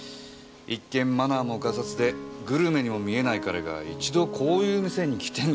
一見マナーもがさつでグルメにも見えない彼が「一度こういう店に来てみたかった」なんて。